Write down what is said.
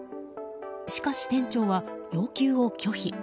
しかし店長は要求を拒否。